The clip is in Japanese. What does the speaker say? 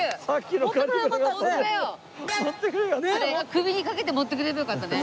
首にかけて持ってくればよかったね。